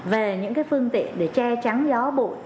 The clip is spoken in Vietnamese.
về những phương tiện để che trắng gió bụi